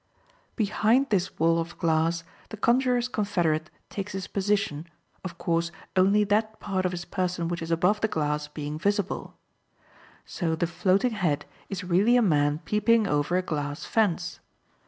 Behind this wall of glass the conjuror's confederate takes his position, of course only that part of his person which is above the glass being visible. So the "floating head" is really a man peeping over a glass fence.